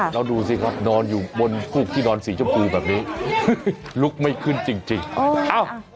แล้วดูสิครับนอนอยู่บนฟูกที่นอนสีชมพูแบบนี้ลุกไม่ขึ้นจริงจริงอ้าว